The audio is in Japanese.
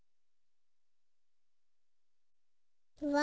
うわ。